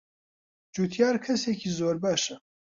جوتیار کەسێکی زۆر باشە.